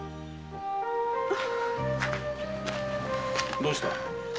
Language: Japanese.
・・どうした？